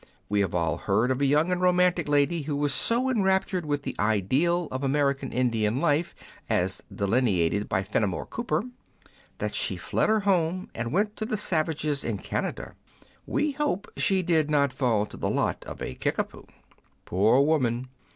We have all heard of a young and romantic lady who was so enraptured with the ideal of American Indian life as delineated by Fenimore Cooper, that she fled her home, and went to the savages in Canada. We hope she did not fall to the lot of a Kickapoo. Poor woman